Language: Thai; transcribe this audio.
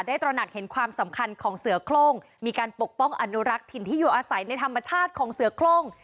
ตระหนักเห็นความสำคัญของเสือโครงมีการปกป้องอนุรักษ์ถิ่นที่อยู่อาศัยในธรรมชาติของเสือโครง